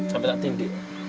sampai tak tinggi